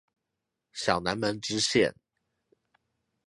小南門支線